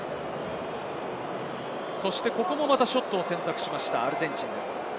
ここもまたショットを選択しましたアルゼンチンです。